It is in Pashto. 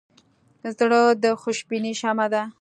زړه د خوشبینۍ شمعه ده.